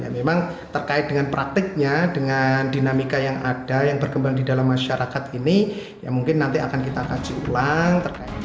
memang terkait dengan praktiknya dengan dinamika yang ada yang berkembang di dalam masyarakat ini ya mungkin nanti akan kita kaji ulang